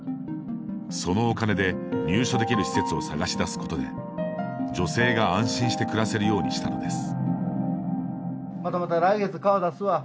そのお金で入所できる施設を探し出すことで女性が安心して暮らせるようにしたのです。